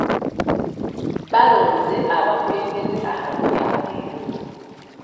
Balonze abakulembeze abapya leero.